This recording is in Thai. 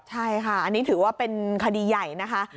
ใช่ค่ะอันนี้ถือว่าเป็นคดีใหญ่นะคะ